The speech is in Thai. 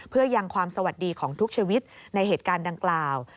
เพื่อยังความสวัสดีของทุกชีวิตในเหตุการณ์ดังกล่าว